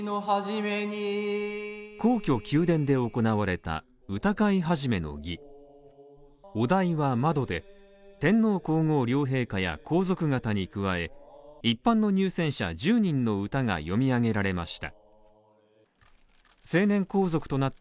皇居宮殿で行われた歌会始の儀お題は窓で、天皇皇后両陛下や皇族方に加え、一般の入選者１０人の歌が詠み上げられました。